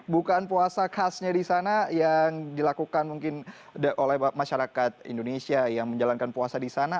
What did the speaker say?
bukaan puasa khasnya di sana yang dilakukan mungkin oleh masyarakat indonesia yang menjalankan puasa di sana